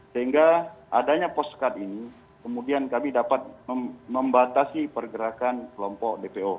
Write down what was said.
sehingga adanya pos sekat ini kemudian kami dapat membatasi pergerakan kelompok dpo